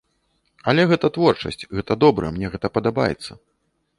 Але гэта творчасць, гэта добра, мне гэта падабаецца.